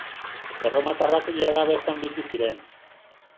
Erromatarrak jada bertan bizi ziren.